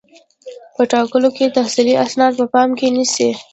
په ټاکلو کې تحصیلي اسناد په پام کې نیسي.